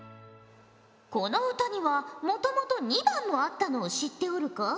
この歌にはもともと２番もあったのを知っておるか？